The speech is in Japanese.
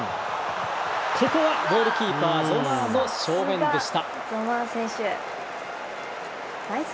ここはゴールキーパーゾマーの正面でした。